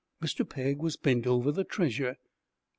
Mr. Pegg was bent over the treasure.